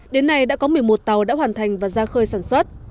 đến nay đã có một mươi một tàu đã hoàn thành và ra khơi sản xuất